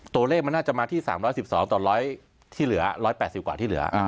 ตัวเลขมันน่าจะมาที่๓๑๒ต่อ๑๐๐ที่เหลือ๑๘๐กว่าที่เหลือ